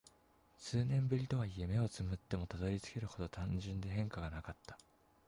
数年ぶりとはいえ、目を瞑ってもたどり着けるほど単純で変化がなかった。